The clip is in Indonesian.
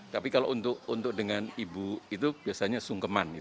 tapi kalau untuk dengan ibu itu biasanya sungkeman